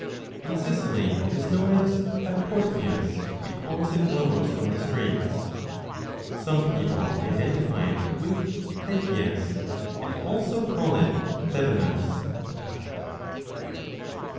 ] 3 In Sicily it is known as Cataporthmias, because 973 b it blows from the Straits. Some people identify it with Caecias, and also call it Thebanas.